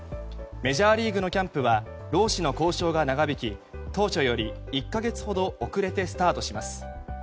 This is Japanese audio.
メジャーリーグのキャンプは労使の交渉が長引き当初より１か月ほど遅れてスタートします。